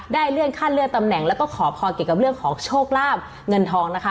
เลื่อนขั้นเลื่อนตำแหน่งแล้วก็ขอพรเกี่ยวกับเรื่องของโชคลาบเงินทองนะคะ